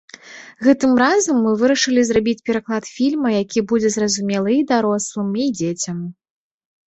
Гэтым разам мы вырашылі зрабіць пераклад фільма, які будзе зразумелы і дарослым, і дзецям.